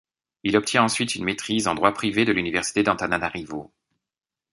Il obtient ensuite une maîtrise en droit privé de l'université d'Antananarivo.